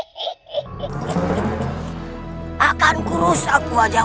senang terima kasian